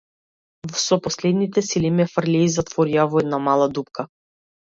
Со последните сили ме фрлија и затворија во една мала дупка.